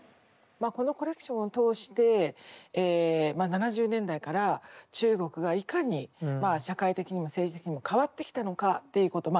まあこのコレクションを通して７０年代から中国がいかにまあ社会的にも政治的にも変わってきたのかっていうこと